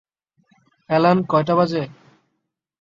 Alan কয়টা বাজে?